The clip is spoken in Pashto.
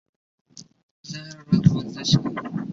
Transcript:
زه هره ورځ ورزش کوم